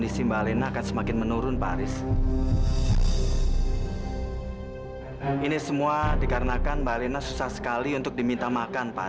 sampai jumpa di video selanjutnya